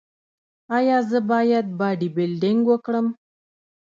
ایا زه باید باډي بلډینګ وکړم؟